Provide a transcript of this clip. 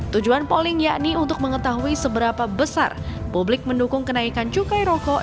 tujuan polling yakni untuk mengetahui seberapa besar publik mendukung kenaikan cukai rokok